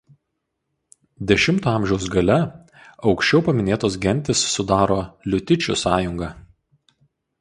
X a. gale aukščiau paminėtos gentys sudaro liutičių sąjungą.